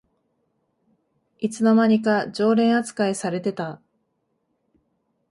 いつの間にか常連あつかいされてた